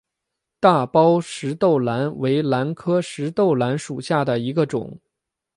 大苞石豆兰为兰科石豆兰属下的一个种。